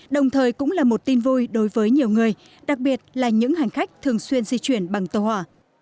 đồng thời cũng là một tin vui đối với nhiều người đặc biệt là những hành khách thường xuyên di chuyển bằng tàu hỏa